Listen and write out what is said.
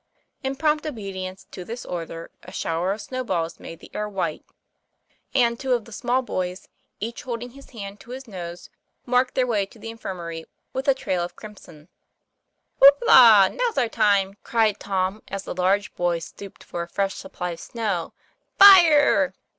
In prompt obedience to this order, a shower of snowballs made the air white; and two of the small 1 86 TOM FLAYFAIR. boys, each holding his hand to his nose, marked their way to the infirmary with a trail of crimson. "Whoop la! Now's our time," cried Tom, as the large boys stooped for a fresh supply of snow. "Fire!"